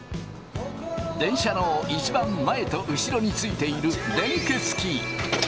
電車の一番前と後ろについている連結器。